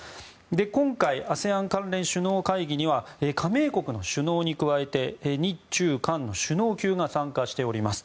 今回ＡＳＥＡＮ関連首脳会議には加盟国の首脳に加えて日中韓の首脳級が参加しています。